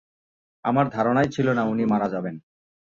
আমার ধারণাই ছিলনা উনি মারা যাবেন।